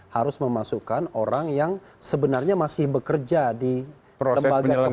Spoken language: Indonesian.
harus memasukkan orang yang sebenarnya masih bekerja di lembaga lembaga